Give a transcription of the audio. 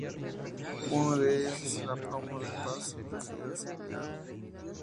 Uno de ellos es el aplomo del paso ligero, soleado.